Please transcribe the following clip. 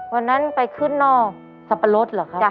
ตอนนั้นไปขึ้นนอก